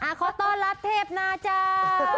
ขอต้อนรับเทพนาจ้า